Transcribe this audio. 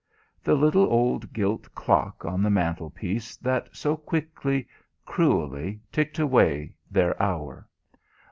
The little old gilt clock on the mantlepiece that so quickly, cruelly ticked away their hour.